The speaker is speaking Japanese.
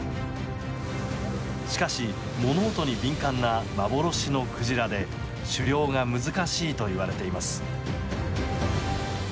しかし物音に敏感な幻のクジラで狩猟が難しいといわれています。